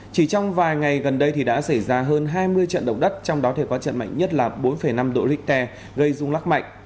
chỉ trong vài ngày gần đây đã xảy ra hơn hai mươi trận động đất trong đó có trận mạnh nhất bốn năm độ richter gây dung lắc mạnh